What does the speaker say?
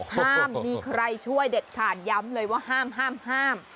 ห้ามมีใครช่วยเด็ดขาดย้ำเลยว่าห้ามห้าม